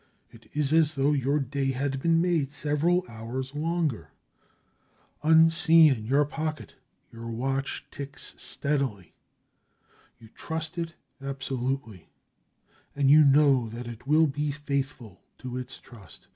It is as though your day had been made several hours longer. Unseen in your pocket, your watch ticks steadily. You trust it absolutely, and you know that it will be faithful to its trust.